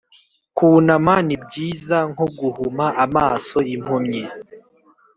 kunama ni byiza nko guhuma amaso impumyi